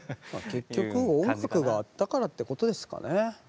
結局音楽があったからってことですかね。